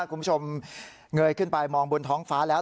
คุณผู้ชมเงยขึ้นไปมองบนท้องฟ้าแล้ว